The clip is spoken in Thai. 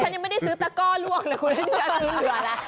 ฉันยังไม่ได้ซื้อตะก้อล่วงเลยคุณต้องเริ่มซื้อเรือล่ะ